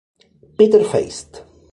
Peter Feist.